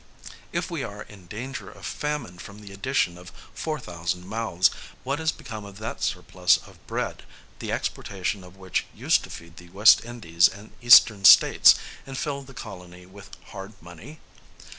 If we are in danger of famine from the addition of four thousand mouths, what is become of that surplus of bread, the exportation of which used to feed the West Indies and Eastern States, and fill the colony with hard money?